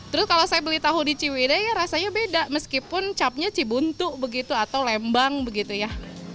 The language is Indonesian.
terus kalau saya beli tahu di ciwide ya rasanya beda meskipun capnya cibuntu begitu atau lembang begitu ya